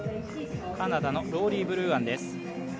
カナダのローリー・ブルーアンです。